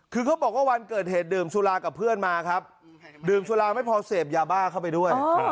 คือเขาบอกว่าวันเกิดเหตุดื่มสุรากับเพื่อนมาครับดื่มสุราไม่พอเสพยาบ้าเข้าไปด้วย